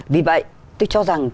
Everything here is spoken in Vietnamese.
vì vậy tôi cho rằng